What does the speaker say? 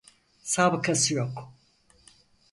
Sabıkası yok.